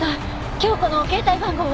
京子の携帯番号は？